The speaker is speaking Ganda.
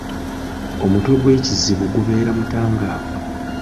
Omutwe gw’ekizibu gubeere mutangaavu.